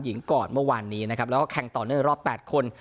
ยิงกอดเมื่อวานนี้นะครับแล้วก็แข่งต่อเนี่ยรอบแปดคน